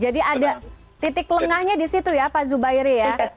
jadi ada titik lengahnya di situ ya pak zubairi ya